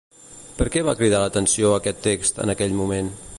Per què va cridar l'atenció aquest text, en aquell moment?